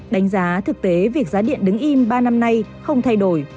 đánh giá thực tế việc giá điện đứng im ba năm nay không thay đổi